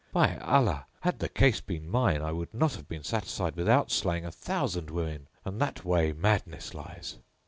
By Allah, had the case been mine, I would not have been satisfied without slaying a thousand women and that way madness lies!